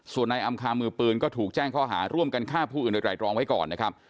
ส่วนนายอำคามือปืนก็ถูกแจ้งข้อหาร่วมกันฆ่าผู้อื่นโดยไรรองไว้ก่อนนะครับ